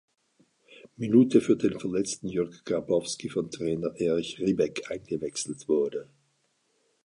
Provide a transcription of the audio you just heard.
Minute für den verletzten Jürgen Grabowski von Trainer Erich Ribbeck eingewechselt wurde.